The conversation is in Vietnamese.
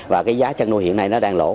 và cái giá chăn nuôi hiện nay nó đang lỗ